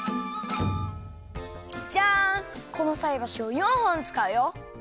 このさいばしを４ほんつかうよ！